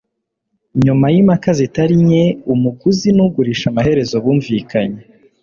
Nyuma yimpaka zitari nke umuguzi nugurisha amaherezo bumvikanye